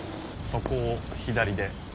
そこを左で。